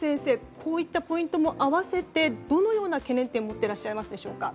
こういったポイントも合わせてどのような懸念点を持ってらっしゃいますでしょうか。